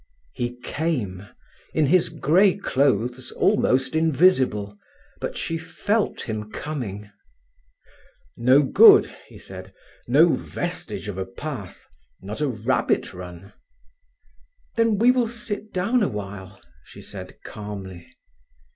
He came, in his grey clothes almost invisible. But she felt him coming. "No good," he said, "no vestige of a path. Not a rabbit run." "Then we will sit down awhile," said she calmly.